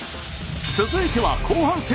続いては後半戦。